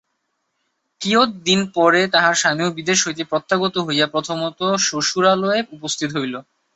কিয়ৎ দিন পরে তাহার স্বামীও বিদেশ হইতে প্রত্যাগত হইয়া প্রথমত শ্বশুরালয়ে উপস্থিত হইল।